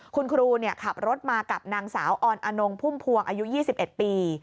คุณครูขับรถมากับนางสาวออนอนงพุ่มพวงอายุ๒๑ปี